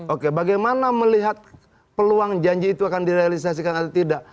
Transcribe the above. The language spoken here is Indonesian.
oke bagaimana melihat peluang janji itu akan direalisasikan atau tidak